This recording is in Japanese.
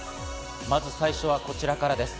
まず最初はこちらからです。